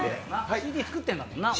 ＣＤ作ってるんだもんな。